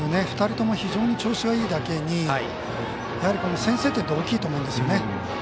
２人とも非常に調子がいいだけにやはり先制点って大きいと思うんですよね。